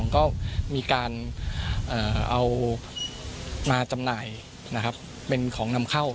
ก็มีการเอามาจำหน่ายเป็นของนำเข้า